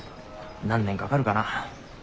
何年かかるかな。